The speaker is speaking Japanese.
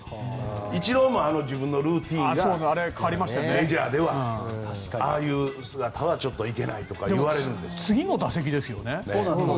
イチローも自分のルーティンがメジャーでは、ああいう姿はいけないといわれるんですよ。